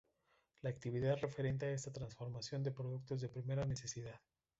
La actividad referente a esta es la transformación de productos de primera necesidad.